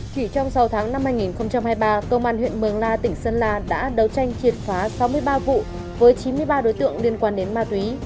chỉ trong sáu tháng năm hai nghìn hai mươi ba công an huyện mường la tỉnh sơn la đã đấu tranh triệt phá sáu mươi ba vụ với chín mươi ba đối tượng liên quan đến ma túy